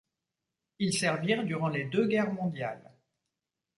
Ils servirent durant les deux guerres mondiales.